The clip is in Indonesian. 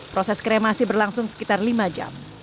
proses kremasi berlangsung sekitar lima jam